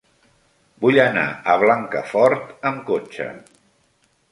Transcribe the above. Vull anar a Blancafort amb cotxe.